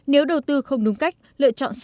nếu đầu tư không đúng cách lựa chọn